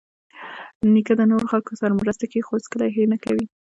نیکه د نورو خلکو سره مرسته کوي، خو هیڅکله یې هېر نه کوي.